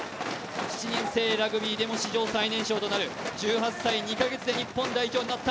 ７人制ラグビーでも史上最年少で１８歳２か月で日本代表になった。